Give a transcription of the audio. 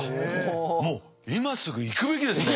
もう今すぐ行くべきですね。